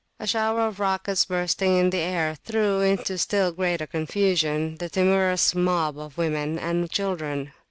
A shower of rockets bursting in the air threw into still greater confusion the timorous mob of women and children.